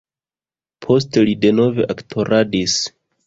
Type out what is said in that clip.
Poste li denove aktoradis.